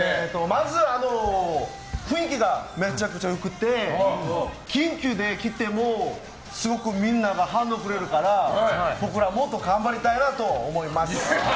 まず雰囲気がめちゃくちゃ良くて緊急で来てもすごくみんなが反応くれるから僕らもっと頑張りたいなと思います。